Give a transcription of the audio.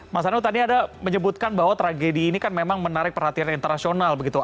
mas anu tadi anda menyebutkan bahwa tragedi ini kan memang menarik perhatian internasional begitu